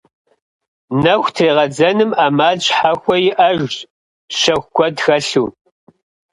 Нэху трегъэдзэным ӏэмал щхьэхуэ иӏэжщ, щэху куэд хэлъу.